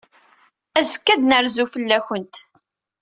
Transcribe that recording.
Azekka ad n-rzuɣ fell-awent.